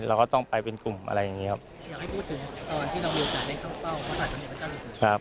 เราก็ต้องไปเป็นกลุ่มอะไรอย่างนี้ครับ